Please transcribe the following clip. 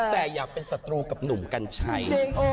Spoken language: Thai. แต่อยากเป็นศัตรูกับหนุ่มกัญชัย